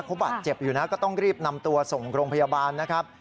เขาบาดเจ็บอยู่นะก็ต้องรีบนำตัวส่งโรงพยาบาลนะครับ